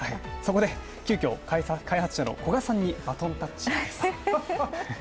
急遽開発者の古賀さんにバトンタッチです。